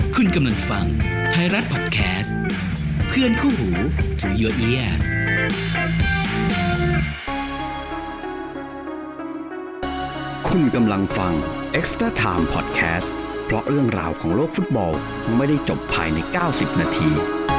คุณกำลังฟังไทยรัฐพอดแคสต์เพื่อนคู่หูที่คุณกำลังฟังพอดแคสต์เพราะเรื่องราวของโลกฟุตบอลไม่ได้จบภายใน๙๐นาที